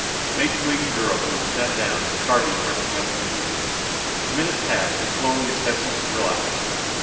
To make the wait endurable, he sat down, his carbine resting on his knees. The minutes passed, and slowly his tenseness relaxed.